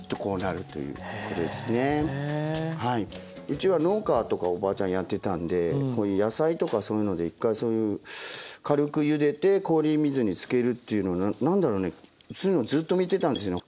うちは農家とかおばあちゃんやってたんで野菜とかそういうので一回そういう軽くゆでて氷水につけるというのの何だろうねそういうのをずっと見てたんですよね。